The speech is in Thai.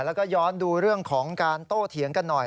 แล้วก็ย้อนดูเรื่องของการโต้เถียงกันหน่อย